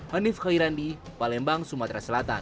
hanif khairandi palembang sumatera selatan